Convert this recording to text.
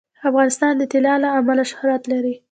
افغانستان د طلا له امله شهرت لري.